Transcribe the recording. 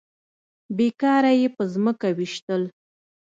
بې کاره يې په ځمکه ويشتل.